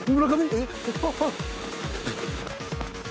えっ？